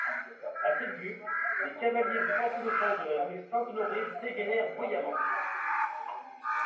A cette vue, les cavaliers en peloton dans la rue Saint-Honoré dégainèrent bruyamment.